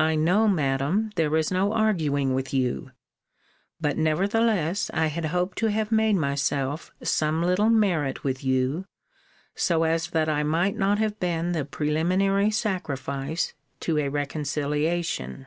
I know, Madam, there is no arguing with you. But, nevertheless, I had hoped to have made myself some little merit with you, so as that I might not have been the preliminary sacrifice to a reconciliation.